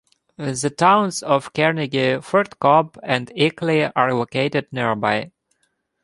The towns of Carnegie, Fort Cobb, and Eakly are located nearby.